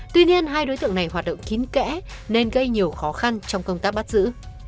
tuy nhiên hai đối tượng này hoạt động kín kẽ nên gây nhiều khó khăn trong công tác bắt giữ